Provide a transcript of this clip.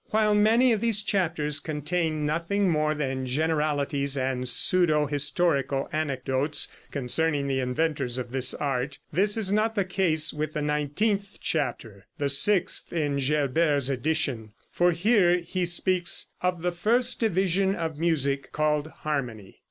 While many of these chapters contain nothing more than generalities and pseudo historical anecdotes concerning the inventors of this art, this is not the case with the nineteenth chapter, the sixth in Gerbert's edition, for here he speaks "Of the First Division of Music, called Harmony."